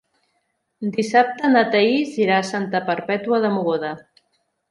Dissabte na Thaís irà a Santa Perpètua de Mogoda.